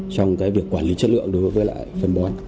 trong cái việc quản lý chất lượng đối với lại phân bón